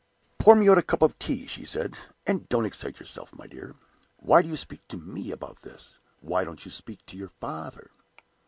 "Pour me out a cup of tea," she said; "and don't excite yourself, my dear. Why do you speak to me about this? Why don't you speak to your father?"